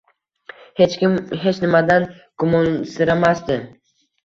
Hech kim hech nimadan gumonsiramasdi